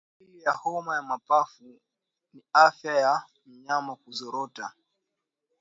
Dalili ya homa ya mapafu ni afya ya mnyama kuzorota